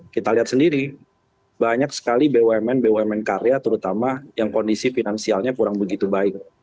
kita lihat sendiri banyak sekali bumn bumn karya terutama yang kondisi finansialnya kurang begitu baik